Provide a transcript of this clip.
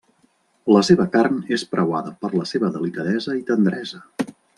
La seva carn és preuada per la seva delicadesa i tendresa.